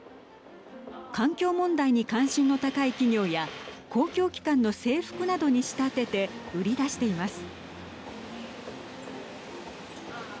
環境問題に関心の高い企業や公共機関の制服などに仕立てて売り出しています。